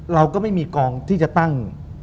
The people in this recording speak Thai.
เราก็ไม่มีกองที่จะตั้ง